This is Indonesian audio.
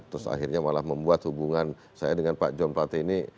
terus akhirnya malah membuat hubungan saya dengan pak john plate ini